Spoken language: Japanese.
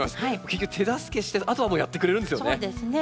結局手助けしてあとはもうやってくれるんですよね。